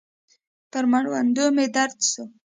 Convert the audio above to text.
پر مړوندو مې درد سو.